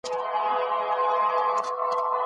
څوک غواړي نړیوال بانک په بشپړ ډول کنټرول کړي؟